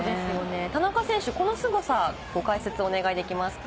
田中選手、このすごさ、ご解説お願いできますか。